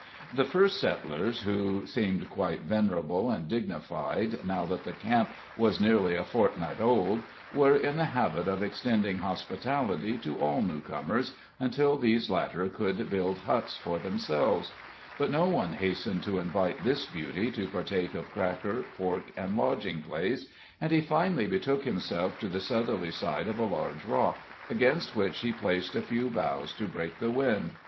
The first settlers, who seemed quite venerable and dignified, now that the camp was nearly a fortnight old, were in the habit of extending hospitality to all newcomers until these latter could build huts for themselves; but no one hastened to invite this beauty to partake of cracker, pork and lodging place, and he finally betook himself to the southerly side of a large rock, against which he placed a few boughs to break the wind.